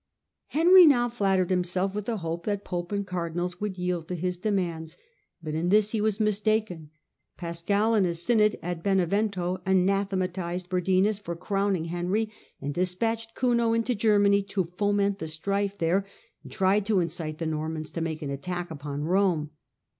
Henry now flattered himself with the hope that pope and cardinals would yield to his demands, but in this he was mistaken. Pascal, in a synod at Benevento, anathematised Burdinus for crowning Henry, despatched Kuno into Germany to foment the strife there, and tried to incite the Normans to make an attack upon Rome.